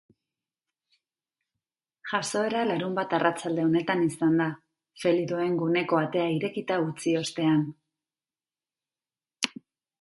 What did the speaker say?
Jazoera larunbat arratsalde honetan izan da, felidoen guneko atea irekita utzi ostean.